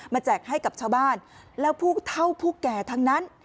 แจกให้กับชาวบ้านแล้วผู้เท่าผู้แก่ทั้งนั้น